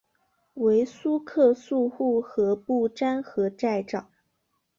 为苏克素护河部沾河寨长。